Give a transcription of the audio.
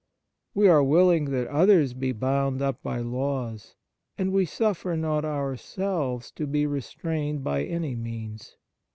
We are willing that others be bound up by laws, and we suffer not ourselves to be restrained by any means.